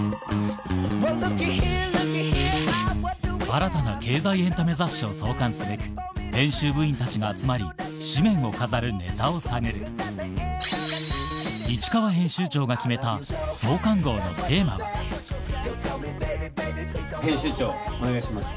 新たな経済エンタメ雑誌を創刊すべく編集部員たちが集まり誌面を飾るネタを探る市川編集長が決めた編集長お願いします。